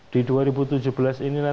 di dua ribu tujuh belas ini nanti sudah ada